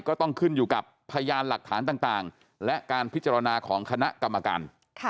ก็ต้องขึ้นอยู่กับพยานหลักฐานต่างและการพิจารณาของคณะกรรมการ